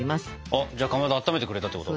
あっじゃあかまどあっためてくれたってこと？